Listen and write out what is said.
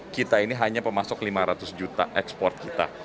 kita ini hanya pemasok lima ratus juta ekspor kita